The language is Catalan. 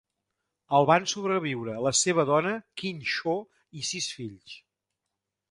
El van sobreviure la seva dona Khin Saw i sis fills.